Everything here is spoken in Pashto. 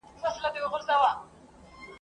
او د هغوی لومړنۍ پالنه تر سره کول دي